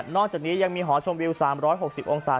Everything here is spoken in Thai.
อกจากนี้ยังมีหอชมวิว๓๖๐องศา